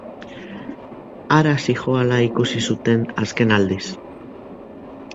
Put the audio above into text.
Hara zihoala ikusi zuten azken aldiz.